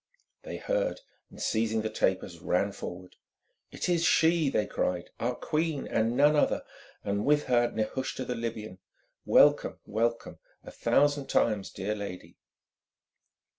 They heard, and seizing the tapers, ran forward. "It is she!" they cried, "our queen and none other, and with her Nehushta the Libyan! Welcome, welcome, a thousand times, dear lady!"